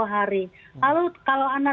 sepuluh hari kalau anda